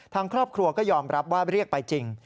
ทางครอบครัวก็ยอมรับว่าเรียกไปจริง